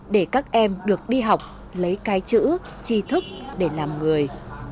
để các em được đi học lấy cái chữ chi thức để làm người